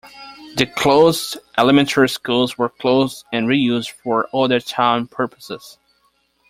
The closed elementary schools were closed and reused for other town purposes.